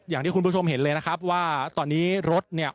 อย่างที่คุณผู้ชมเห็นเลยนะครับว่าตอนนี้รถเนี่ย